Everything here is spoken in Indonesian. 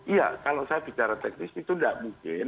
iya kalau saya bicara teknis itu tidak mungkin